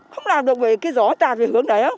không làm được bởi cái gió tạt về hướng